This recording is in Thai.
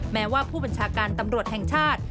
แม้ว่าผู้บัญชาการตำรวจแห่งชาติ